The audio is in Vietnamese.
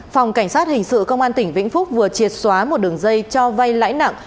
phòng cảnh sát hình sự công an tỉnh vĩnh phúc vừa triệt xóa một đường dây cho vay lãi nặng